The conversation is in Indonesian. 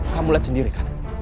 kamu lihat sendirikan